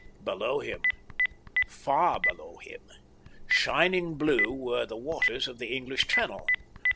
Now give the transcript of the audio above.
Below him, far below him, shining blue, were the waters of the English Channel.